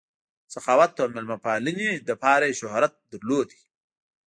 سخاوت او مېلمه پالنې دپاره ئې شهرت لرلو